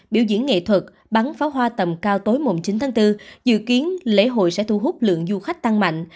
biểu diễn nghệ thuật bắn pháo hoa tầm cao tối mùng chín tháng bốn dự kiến lễ hội sẽ thu hút lượng du khách tăng mạnh